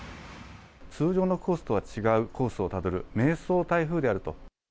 通常のコースとは違うコースをたどる、迷走台風であると。